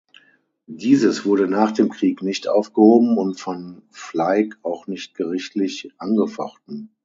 Dieses wurde nach dem Krieg nicht aufgehoben und von Flaig auch nicht gerichtlich angefochten.